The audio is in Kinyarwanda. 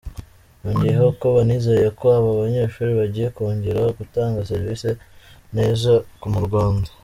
Yongeyeho ko banizeye ko aba banyeshuri bagiye kongera gutanga serivisi neza mu Rwanda.